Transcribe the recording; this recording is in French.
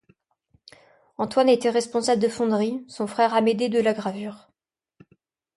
Antoine était responsable de fonderie, son frère Amédée de la gravure.